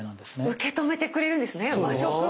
受け止めてくれるんですね和食を！